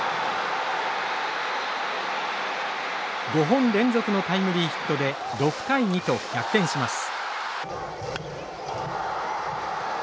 ５本連続のタイムリーヒットで６対２と逆転します。